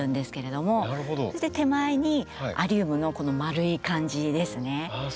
そして手前にアリウムのこのまるい感じですね。